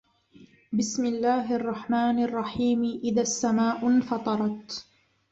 بِسمِ اللَّهِ الرَّحمنِ الرَّحيمِ إِذَا السَّماءُ انفَطَرَت